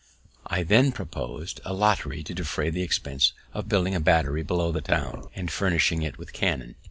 I then propos'd a lottery to defray the expense of building a battery below the town, and furnishing it with cannon.